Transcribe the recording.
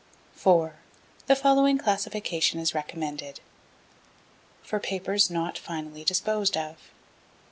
4. The following classification is recommended: _For Papers not finally disposed of.